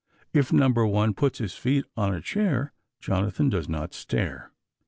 If number one puts his feet on a chair, Jonathan does not stare.